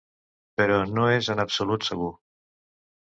Però no és en absolut segur.